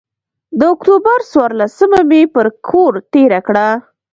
د اکتوبر څورلسمه مې پر کور تېره کړه.